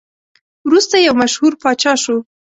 وروسته یو مشهور پاچا شو.